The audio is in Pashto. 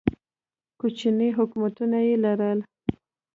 کوچني حکومتونه یې لرل.